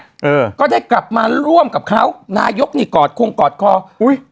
เออก็ได้กลับมาร่วมกับเขานายกนี่กอดคงกอดคออุ้ย